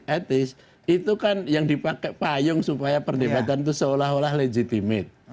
etis itu kan yang dipakai payung supaya perdebatan itu seolah olah legitimit